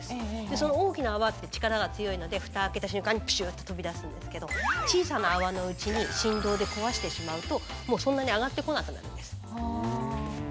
その大きな泡って力が強いのでフタ開けた瞬間にプシュっと飛び出すんですけど小さな泡のうちに振動で壊してしまうともうそんなに上がってこなくなるんです。